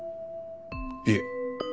いえ。